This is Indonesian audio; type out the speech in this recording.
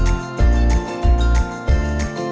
ada ceker ada sayap